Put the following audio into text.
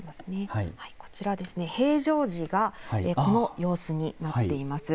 こちら平常時がこの様子になっています。